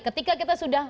ketika kita sudah